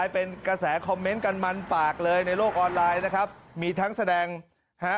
เป็นกระแสคอมเมนต์กันมันปากเลยในโลกออนไลน์นะครับมีทั้งแสดงฮะ